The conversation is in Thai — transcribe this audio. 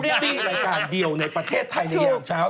ตี้รายการเดียวในประเทศไทยในยามเช้า